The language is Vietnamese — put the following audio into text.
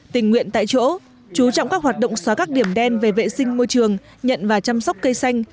tình nguyện tại chỗ chú trọng các hoạt động xóa các điểm đen về vệ sinh môi trường nhận và chăm sóc cây xanh